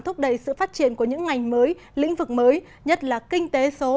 thúc đẩy sự phát triển của những ngành mới lĩnh vực mới nhất là kinh tế số